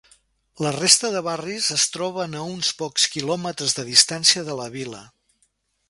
La resta de barris es troben a uns pocs quilòmetres de distància de la Vila.